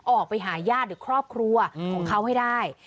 ออกไปหาญาติหรือครอบครัวของเขาให้ได้